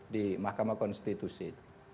di mahkamah konstitusi